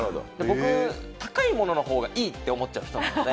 僕、高いもののほうがいいって思っちゃう人なんで。